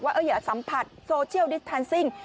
อย่าสัมผัสโซเชียลดิสแทนซิ่ง